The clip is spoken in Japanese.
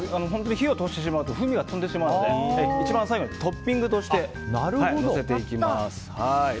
火を通してしまうと風味が飛んでしまうので一番最後にトッピングとしてのせていきます。